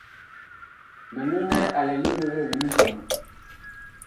Milonɛ a lɛ li yegee li misɔŋgi.